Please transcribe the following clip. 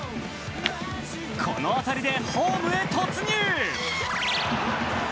この当たりでホームに突入。